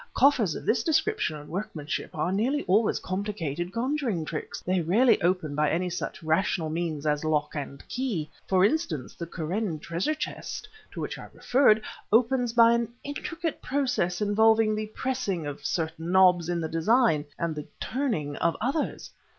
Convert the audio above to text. Coffers of this description and workmanship are nearly always complicated conjuring tricks; they rarely open by any such rational means as lock and key. For instance, the Kûren treasure chest to which I referred, opens by an intricate process involving the pressing of certain knobs in the design, and the turning of others."